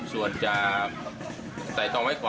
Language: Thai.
เป็นฝ่าหาหลักครับส่วนจะใส่ต้องไว้ก่อน